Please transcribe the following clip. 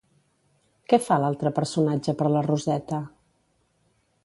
Què fa l'altre personatge per la Roseta?